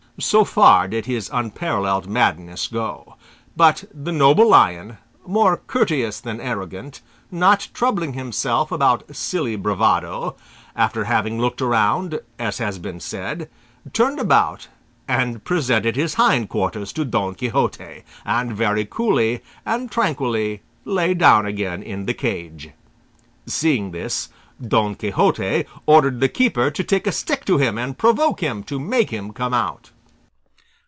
So far did his unparalleled madness go; but the noble lion, more courteous than arrogant, not troubling himself about silly bravado, after having looked all round, as has been said, turned about and presented his hind quarters to Don Quixote, and very coolly and tranquilly lay down again in the cage. Seeing this, Don Quixote ordered the keeper to take a stick to him and provoke him to make him come out.